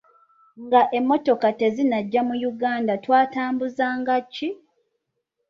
Nga emmotoka tezinnajja mu Uganda twatambuzanga ki?